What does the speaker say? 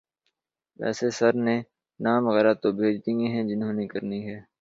ویسے سر نے نام وغیرہ تو بھیج دیے ہیں جنہوں نے کرنی ہے۔